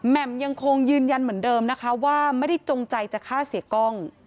มยังคงยืนยันเหมือนเดิมนะคะว่าไม่ได้จงใจจะฆ่าเสียกล้อง